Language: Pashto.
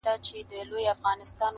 د غزل عنوان مي ورکي و ښکلا ته,